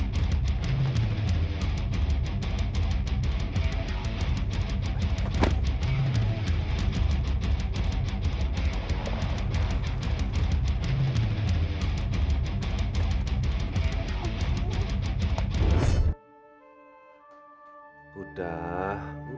tidak dapat membeli unterschieduri